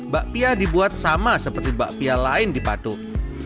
tujuh ratus delapan puluh enam bakpia dibuat sama seperti bakpia lain di patok